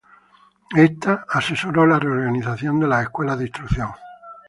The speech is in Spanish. Esta asesoró la reorganización de las Escuelas de instrucción.